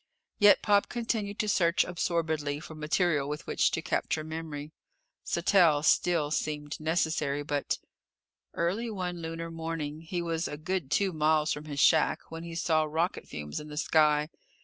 Yet Pop continued to search absorbedly for material with which to capture memory. Sattell still seemed necessary, but Early one lunar morning he was a good two miles from his shack when he saw rocket fumes in the sky.